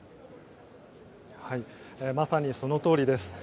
まさにそのとおりです。